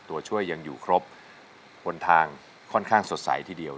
ตัวช่วยยังอยู่ครบผลทางค่อนข้างสดใสทีเดียว